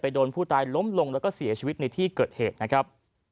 โดนผู้ตายล้มลงแล้วก็เสียชีวิตในที่เกิดเหตุนะครับ